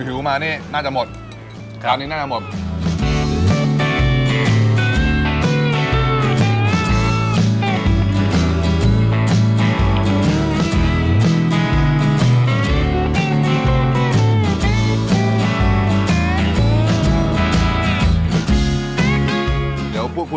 เป็นไงบ้าง